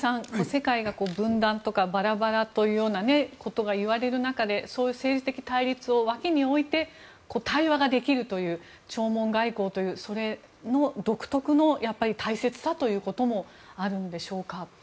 世界が分断とかバラバラというようなことがいわれる中でそういう政治的対立を脇に置いて対話ができるという弔問外交という、それの独特の大切さということもあるんでしょうか。